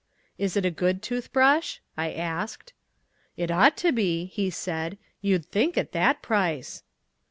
"Is it a good tooth brush?" I asked. "It ought to be," he said, "you'd think, at that price."